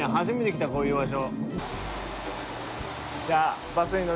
初めて来たこういう場所。